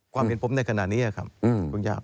ความเป็นผมในขณะนี้ครับคงยาก